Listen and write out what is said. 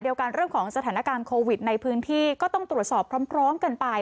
กันเรื่องของสถานการณ์โควิดในพื้นที่ก็ต้องตรวจสอบพร้อมกันไป